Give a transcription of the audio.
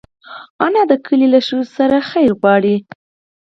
انا د کلي له ښځو سره خیر غواړي